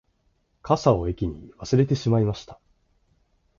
傘を駅に忘れてしまいました